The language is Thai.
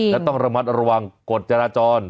และต้องระมัดระวังกฎจราจร